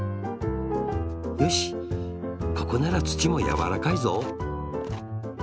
よしここならつちもやわらかいぞ。